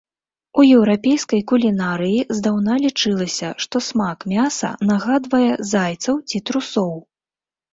У еўрапейскай кулінарыі здаўна лічылася, што смак мяса нагадвае зайцаў ці трусоў.